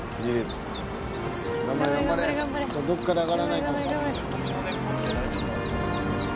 どこかで上がらないと。